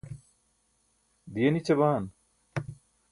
diye nićabaan